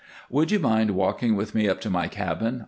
"Would you mind walking with me up to my cabin?"